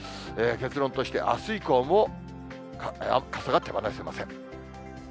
結論として、あす以降も傘が手放せません。